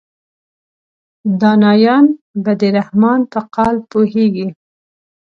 دانایان به د رحمان په قال پوهیږي.